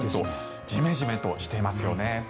ジメジメとしていますよね。